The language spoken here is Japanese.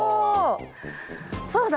そうだ。